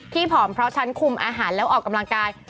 ผอมเพราะฉันคุมอาหารแล้วออกกำลังกาย